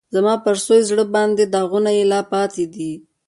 زما پر سوي زړه باندې داغونه یې لا پاتی دي